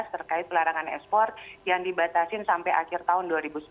terkait pelarangan ekspor yang dibatasin sampai akhir tahun dua ribu sembilan belas